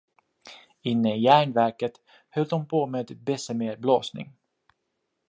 Inne i järnverket höll de på med bessemerblåsning.